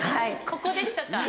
ここでしたか。